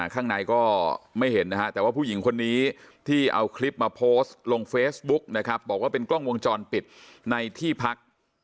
ข้างในก็ไม่เห็นนะฮะแต่ว่าผู้หญิงคนนี้ที่เอาคลิปมาโพสต์ลงเฟซบุ๊กนะครับบอกว่าเป็นกล้องวงจรปิดในที่พัก